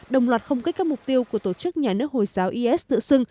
đồng loạt không kích các mục tiêu của tổ chức nhà nước hồi giáo is tự xưng